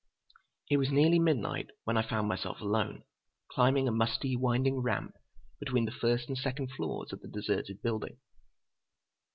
It was nearly midnight when I found myself alone, climbing a musty, winding ramp between the first and second floors of the deserted building.